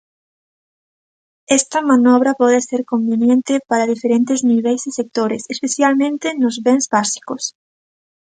Esta manobra pode ser conveniente para diferentes niveis e sectores, especialmente nos bens básicos.